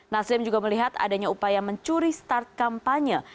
nasdem juga melihat adanya upaya mencuri start kampanye